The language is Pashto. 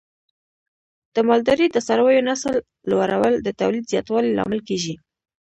د مالدارۍ د څارویو نسل لوړول د تولید زیاتوالي لامل کېږي.